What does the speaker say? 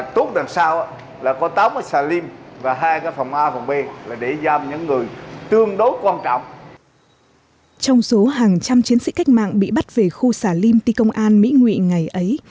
trong số hàng trăm chiến sĩ cách mạng bị bắt về khu xà lim ti công an mỹ nguyện ngày ấy